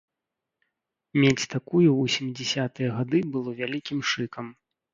Мець такую ў сямідзясятыя гады было вялікім шыкам.